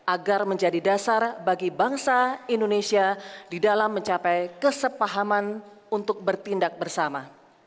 agar menjadi dasar bagi bangsa indonesia di dalam mencapai kesepahaman untuk bertindak bersama